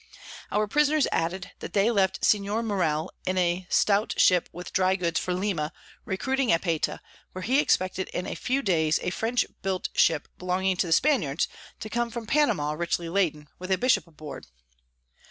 Our Prisoners added, That they left Signior Morel in a stout Ship with dry Goods for Lima, recruiting at Payta, where he expected in few days a French built Ship, belonging to the Spaniards, to come from Panama richly laden, with a Bishop aboard.